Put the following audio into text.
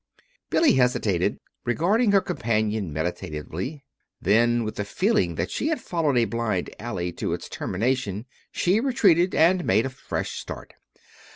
Billy hesitated, regarding her companion meditatively. Then, with the feeling that she had followed a blind alley to its termination, she retreated and made a fresh start.